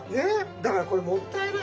だからこれもったいない。